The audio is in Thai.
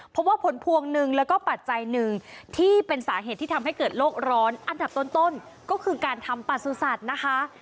เพราะว่าผลพวงหนึ่งแล้วก็ปัจจัยหนึ่งที่เป็นสาเหตุที่ทำให้เกิดโรคร้อนอันดับต้นก็คือการทำประสุทธิ์นะคะ